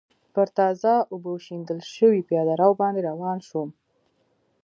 پر تازه اوبو شیندل شوي پېاده رو باندې روان شوم.